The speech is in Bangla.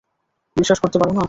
বিশ্বাস করতে পারো না!